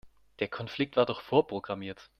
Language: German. Der Konflikt war doch vorprogrammiert.